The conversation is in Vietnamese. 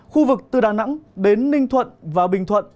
khu vực từ đà nẵng đến ninh thuận và bình thuận